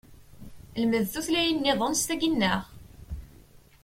Lmed tutlayin nniḍen s tagi nneɣ!